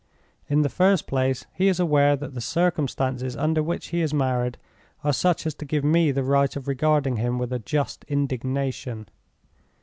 In the first place, he is aware that the circumstances under which he has married are such as to give me the right of regarding him with a just indignation.